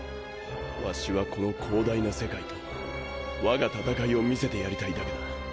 ワシはこの広大な世界と我が戦いを見せてやりたいだけだ。